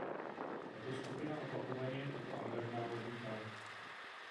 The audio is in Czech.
Tato skupina opakovaně tato angažmá odmítala.